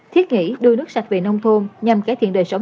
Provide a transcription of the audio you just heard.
thiết nghĩ đưa nước sạch về nông thôn nhằm cải thiện đời sống